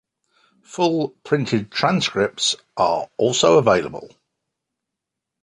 Full printed transcripts are also available.